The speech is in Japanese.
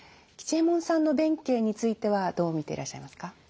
吉右衛門さんの弁慶についてはどう見ていらっしゃいますか。